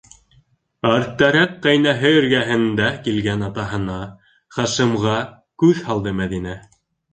Арттараҡ, ҡәйнәһе эргәһендә килгән атаһына - Хашимға - күҙ һалды Мәҙинә.